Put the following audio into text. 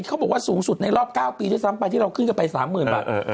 เขาบอกว่าสูงสุดในรอบ๙ปีด้วยซ้ำไปที่เราขึ้นกันไป๓๐๐๐บาท